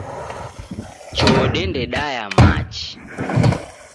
Choo dende daya machi.